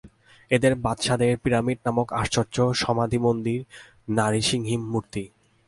এদের বাদশাদের পিরামিড নামক আশ্চর্য সমাধিমন্দির, নারীসিংহী মূর্তি।